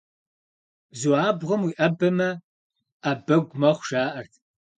Бзу абгъуэм уиӏэбэмэ, ӏэ бэгу мэхъу, жаӏэрт.